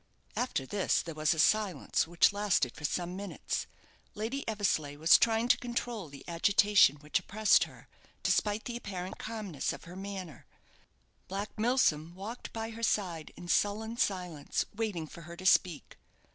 After this there was a silence which lasted for some minutes. Lady Eversleigh was trying to control the agitation which oppressed her, despite the apparent calmness of her manner. Black Milsom walked by her side in sullen silence, waiting for her to speak.